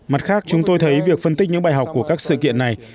mặt khác chúng tôi thấy việc phân tích những bài học của các sự kiện này